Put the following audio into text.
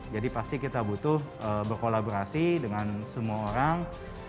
jadi pasti kita butuh berkolaborasi dengan semua orang